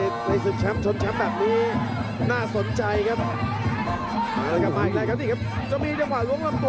ทำได้ดีครับ